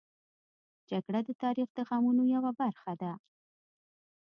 جګړه د تاریخ د غمونو یوه برخه ده